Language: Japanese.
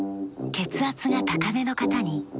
血圧が高めの方に。